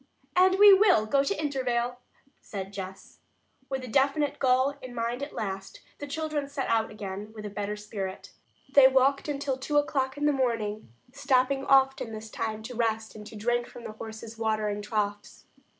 "And we will go to Intervale," said Jess. With a definite goal in mind at last, the children set out again with a better spirit. They walked until two o'clock in the morning, stopping often this time to rest and to drink from the horses' watering troughs.